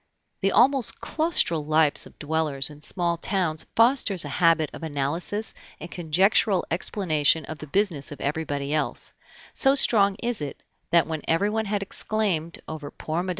The almost claustral lives of dwellers in small towns fosters a habit of analysis and conjectural explanation of the business of everybody else; so strong is it, that when everyone had exclaimed over poor Mme.